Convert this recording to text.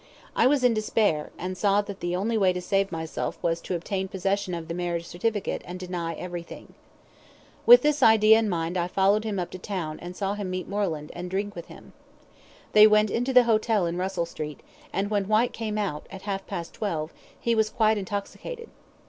I was in despair, and saw that the only way to save myself was to obtain possession of the marriage certificate and deny everything. With this idea in my mind I followed him up to town and saw him meet Moreland, and drink with him. They went into the hotel in Russell Street, and when Whyte came out, at half past twelve, he was quite intoxicated.